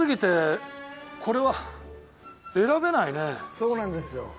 そうなんですよ。